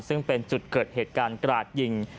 ซึ่งเป็นจุดเกิดเหตุการณ์กราดยิง